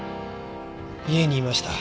家にいました。